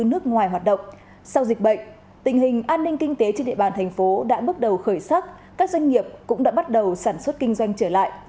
sau dịch bệnh tình hình an ninh kinh tế trên địa bàn thành phố đã bước đầu khởi sắc các doanh nghiệp cũng đã bắt đầu sản xuất kinh doanh trở lại